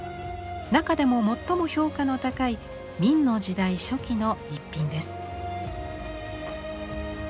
中でも最も評価の高い明の時代初期の逸品です。